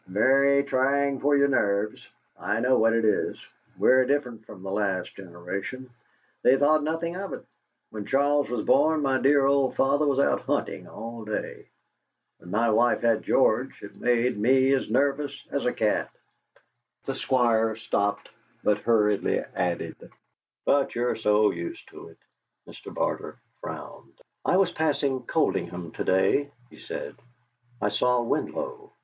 "Very trying for your nerves. I know what it is. We're different from the last generation; they thought nothing of it. When Charles was born my dear old father was out hunting all day. When my wife had George, it made me as nervous as a cat!" The Squire stopped, then hurriedly added: "But you're so used to it." Mr. Barter frowned. "I was passing Coldingham to day," he said. "I saw Winlow.